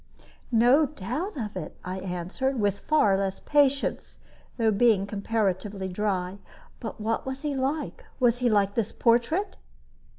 "No doubt of it," I answered, with far less patience, though being comparatively dry. "But what was he like? Was he like this portrait?"